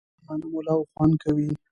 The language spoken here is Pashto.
د غنمو لو خوند کوي